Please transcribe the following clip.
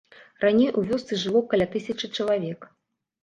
Раней у вёсцы жыло каля тысячы чалавек.